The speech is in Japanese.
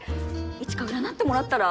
一華占ってもらったら？